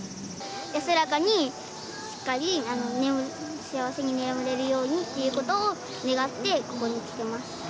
安らかにしっかり幸せに眠れるようにっていうことを願って、ここに来てます。